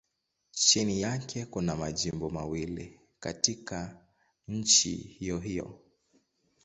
Chini yake kuna majimbo mawili katika nchi hiyohiyo.